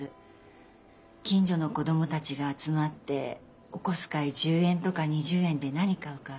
近所の子どもたちが集まってお小遣い１０円とか２０円で何買うか。